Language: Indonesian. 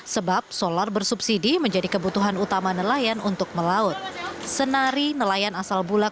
sebab solar bersubsidi menjadi kebutuhan utama nelayan untuk melaut senari nelayan asal bulak